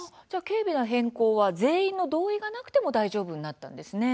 「軽微な変更」は全員の同意がなくても大丈夫になったんですね。